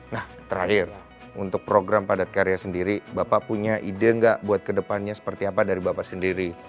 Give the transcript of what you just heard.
nah terakhir untuk program padat karya sendiri bapak punya ide nggak buat kedepannya seperti apa dari bapak sendiri